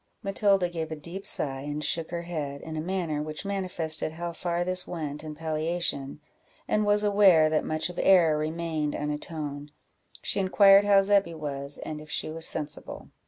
Matilda gave a deep sigh and shook her head, in a manner which manifested how far this went in palliation, and was aware that much of error remained unatoned. She inquired how Zebby was, and if she was sensible.